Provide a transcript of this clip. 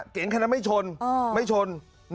เก๋งคันนั้นไม่ชน